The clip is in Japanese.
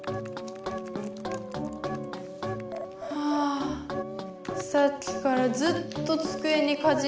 ああさっきからずっと机にかじりついてる。